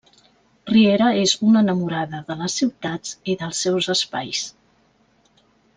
Riera és una enamorada de les ciutats i dels seus espais.